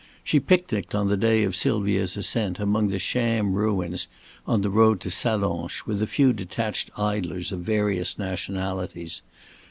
She picnicked on the day of Sylvia's ascent amongst the sham ruins on the road to Sallanches with a few detached idlers of various nationalities.